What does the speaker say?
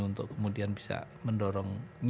untuk kemudian bisa mendorong